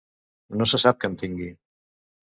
No sé sap que en tingui.